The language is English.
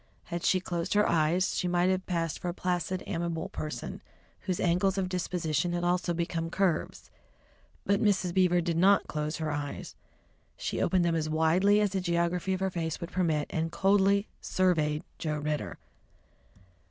Had she closed her eyes, she might have passed for a placid, amiable person, whose angles of disposition had also become curves. But Mrs. Beaver did not close her eyes. She opened them as widely as the geography of her face would permit, and coldly surveyed Joe Ridder.